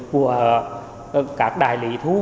của các đại lý thú